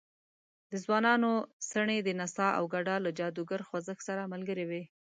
د ځوانانو څڼې د نڅا او ګډا له جادوګر خوځښت سره ملګرې وې.